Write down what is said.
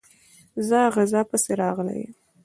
زه غزا پسي راغلی یم.